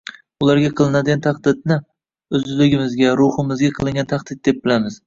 ularga nisbatan qilinadigan tahdidni o‘zligimizga, ruhimizga qilingan tahdid deb bilamiz.